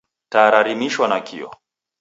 Taa rarimishwa nakio.